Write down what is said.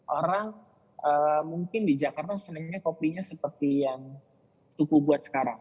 orang mungkin di jakarta senangnya kopinya seperti yang tuku buat sekarang